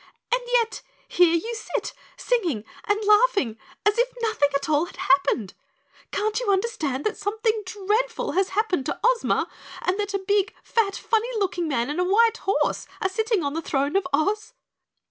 And yet, here you sit, singing and laughing as if nothing at all had happened. Can't you understand that something dreadful has happened to Ozma and that a big, fat, funny looking man and a white horse are sitting on the throne of Oz?"